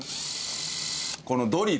このドリル。